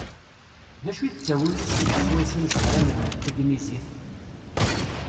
D acu i d ttawil ushil swayes i nezmer ad nelmed tagnizit?